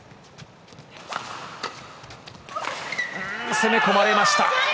攻め込まれました。